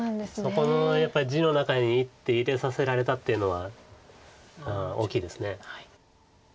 そこのやっぱり地の中に１手入れさせられたっていうのは大きいです。